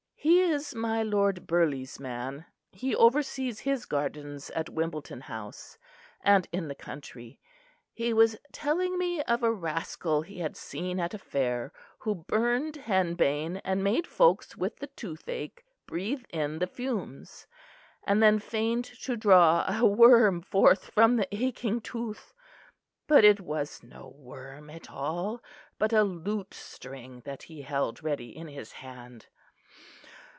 He is my Lord Burghley's man; he oversees his gardens at Wimbledon House, and in the country. He was telling me of a rascal he had seen at a fair, who burned henbane and made folks with the toothache breathe in the fumes; and then feigned to draw a worm forth from the aching tooth; but it was no worm at all, but a lute string that he held ready in his hand.